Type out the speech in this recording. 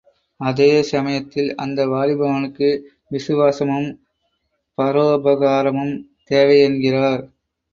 அதே சமயத்தில் அந்த வாலிபனுக்கு விசுவாசமும், பரோபகாரமும் தேவை என்கிறார்.